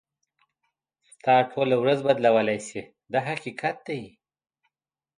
ستا ټوله ورځ بدلولای شي دا حقیقت دی.